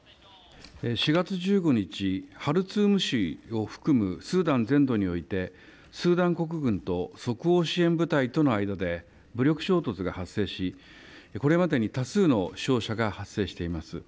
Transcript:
４月１５日、ハルツーム市を含むスーダン全土においてスーダン国軍と即応支援部隊との間で武力衝突が発生しこれまでに多数の負傷者が発生しています。